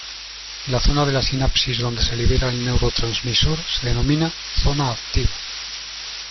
La zona de la sinapsis donde se libera el neurotransmisor se denomina "zona activa".